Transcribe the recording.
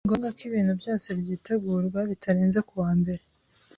Ni ngombwa ko ibintu byose byitegurwa bitarenze kuwa mbere.